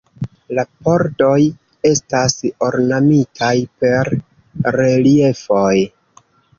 La pordoj estas ornamitaj per reliefoj.